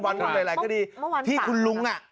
มาวานได้หลายอย่าง